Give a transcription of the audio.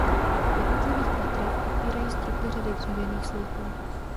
V jednotlivých patrech podpírají stropy řady dřevěných sloupů.